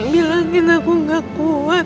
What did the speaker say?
bilangin aku gak kuat